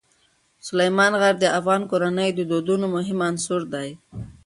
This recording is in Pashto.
سلیمان غر د افغان کورنیو د دودونو مهم عنصر دی.